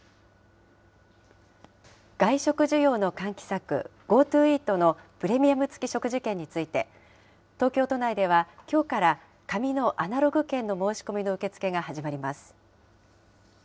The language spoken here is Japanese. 外食需要の喚起策、ＧｏＴｏイートのプレミアム付き食事券について、東京都内ではきょうから紙のアナログ券の申し込みの受け付けが始まります。